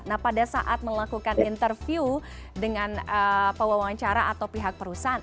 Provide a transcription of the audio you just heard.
nah pada saat melakukan interview dengan pewawancara atau pihak perusahaan